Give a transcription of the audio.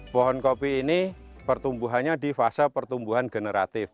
pohon kopi ini pertumbuhannya di fase pertumbuhan generatif